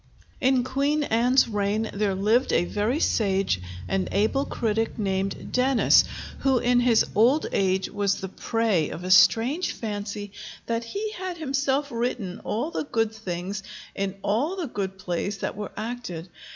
In Queen Anne's reign there lived a very sage and able critic named Dennis, who in his old age was the prey of a strange fancy that he had himself written all the good things in all the good plays that were acted.